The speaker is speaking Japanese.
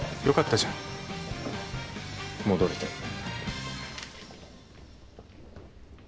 よかったじゃん戻れて。